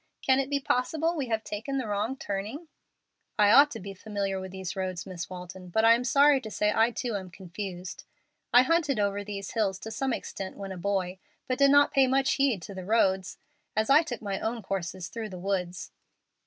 Can it be possible we have taken the wrong turning?" "I ought to be familiar with these roads, Miss Walton, but I am sorry to say I too am confused. I hunted over these hills to some extent when a boy, but did not pay much heed to the roads, as I took my own courses through the woods."